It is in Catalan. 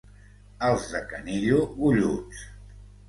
Els de Canillo, golluts.